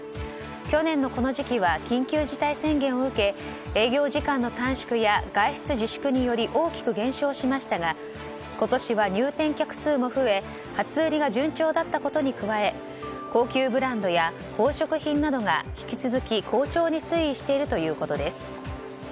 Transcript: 去年のこの時期は緊急事態宣言を受け営業時間の短縮や外出自粛により大きく減少しましたが今年は入店客数も増え初売りが順調だったことに加え高級ブランドや宝飾品などが引き続き好調に推移しているということです。